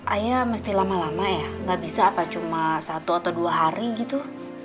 ayah mesti lama lama ya nggak bisa apa cuma satu atau dua hari gitu